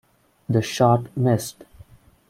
The shot missed.